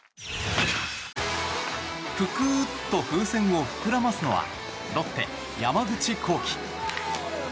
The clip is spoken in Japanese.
ぷくっと風船を膨らますのはロッテ、山口航輝。